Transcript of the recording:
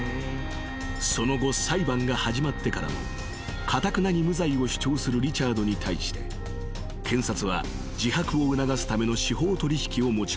［その後裁判が始まってからもかたくなに無罪を主張するリチャードに対して検察は自白を促すための司法取引を持ち掛けた］